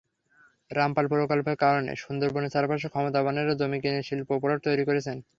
রামপাল প্রকল্পের কারণে সুন্দরবনের চারপাশে ক্ষমতাবানেরা জমি কিনে শিল্প প্লট তৈরি করছেন।